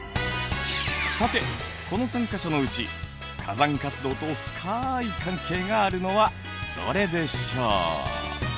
さてこの３か所のうち火山活動と深い関係があるのはどれでしょう。